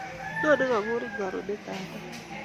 Ng'o ne kakurin karonet ap ra?